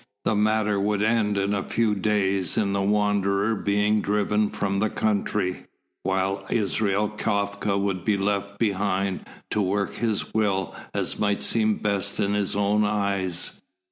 The matter would end in a few days in the Wanderer being driven from the country, while Israel Kafka would be left behind to work his will as might seem best in his own eyes.